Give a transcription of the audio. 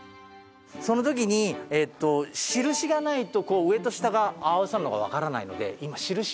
その時に印がないと上と下が合わさるのがわからないので今印を切ります。